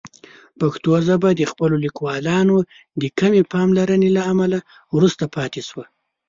پښتو ژبه د خپلو لیکوالانو د کمې پاملرنې له امله وروسته پاتې شوې.